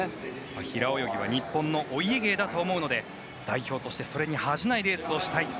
平泳ぎは日本のお家芸だと思うので代表としてそれに恥じないレースをしたい。